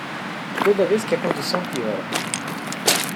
Toda vez que a condição piora